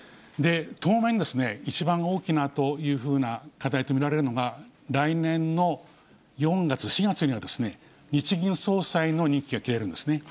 当面、一番大きな課題と見られるのが、来年の４月には日銀総裁の任期が切れるんですね。